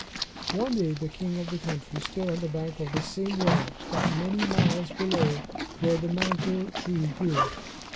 One day the king of the country stood on the bank of this same river, but many miles below where the mango tree grew.